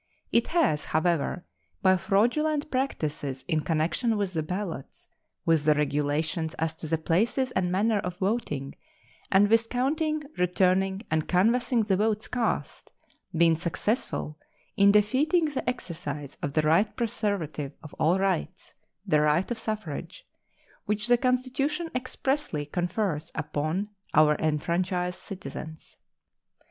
It has, however, by fraudulent practices in connection with the ballots, with the regulations as to the places and manner of voting, and with counting, returning, and canvassing the votes cast, been successful in defeating the exercise of the right preservative of all rights the right of suffrage which the Constitution expressly confers upon our enfranchised citizens.